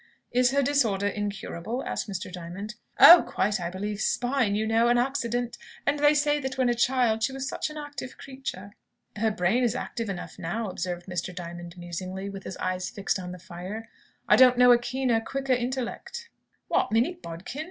"Is her disorder incurable?" asked Mr. Diamond. "Oh, quite, I believe. Spine, you know. An accident. And they say that when a child she was such an active creature." "Her brain is active enough now," observed Mr. Diamond musingly, with his eyes fixed on the fire. "I don't know a keener, quicker intellect." "What, Minnie Bodkin?"